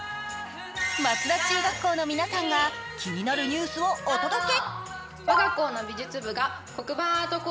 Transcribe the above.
松田中学校の皆さんが気になるニュースをお届け。